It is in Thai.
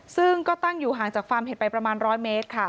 ซึ่งก็ตั้งอยู่ห่างจากฟาร์มเห็ดไปประมาณ๑๐๐เมตรค่ะ